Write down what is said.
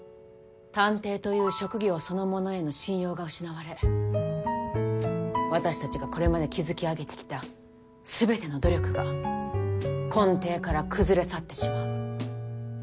探偵という職業そのものへの信用が失われ私たちがこれまで築き上げてきた全ての努力が根底から崩れ去ってしまう。